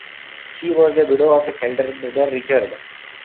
She was the widow of his elder brother Richard.